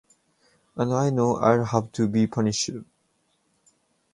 And I know I’ll have to be punished.